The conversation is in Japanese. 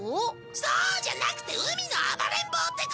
そうじゃなくて海の暴れん坊ってこと！